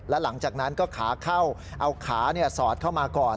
แล้วหลังจากนั้นก็ขาเข้าเอาขาสอดเข้ามาก่อน